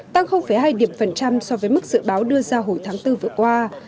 tăng hai điểm phần trăm so với mức dự báo đưa ra hồi tháng bốn vừa qua